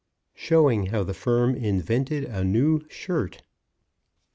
SHOWING HOW THE FIRM INVENTED A NEW SHIRT.